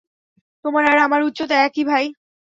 তোমার আর আমার উচ্চতা একই, ভাই।